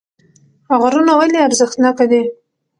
غرونه ولې ارزښتناکه دي